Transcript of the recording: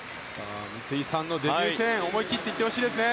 三井さんのデビュー戦思い切っていってほしいですね。